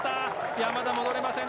山田、戻れません。